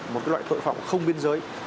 một cái loại tội phạm không biên giới